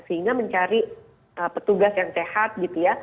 sehingga mencari petugas yang sehat